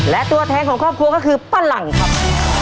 และตัวแทนของครอบครัวก็คือป้าหลังครับ